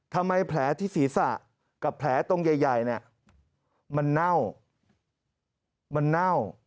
ทำไมแผลที่ศีรษะกับแผลตรงใหญ่นี่มันเน่า